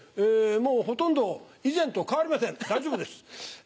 もうほとんど以前と変わりません大丈夫です。